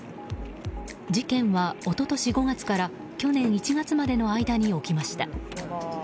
事件は一昨年５月から去年１月までの間に起きました。